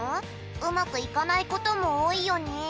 うまくいかないことも多いよね？